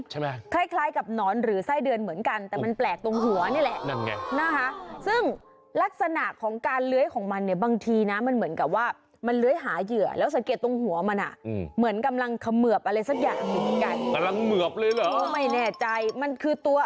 คล้ายคล้ายกับหนอนหรือไส้เดือนเหมือนกันแต่มันแปลกตรงหัวนี่แหละนั่นไงนะคะซึ่งลักษณะของการเลื้อยของมันเนี่ยบางทีนะมันเหมือนกับว่ามันเลื้อยหาเหยื่อแล้วสังเกตตรงหัวมันอ่ะเหมือนกำลังเขมือบอะไรสักอย่างอยู่เหมือนกันกำลังเหมือบเลยเหรอเออไม่แน่ใจมันคือตัว